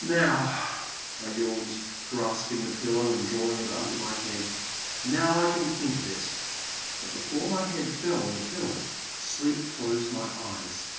"Now," I yawned, grasping the pillow and drawing it under my head, now, I can think a bit," but before my head fell on the pillow, sleep closed my eyes.